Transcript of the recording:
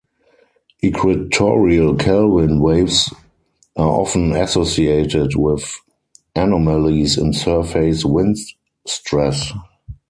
Equatorial Kelvin waves are often associated with anomalies in surface wind stress.